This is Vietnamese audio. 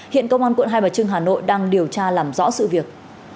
hiện công an quận hai bà trưng hà nội đang điều tra làm rõ sự việc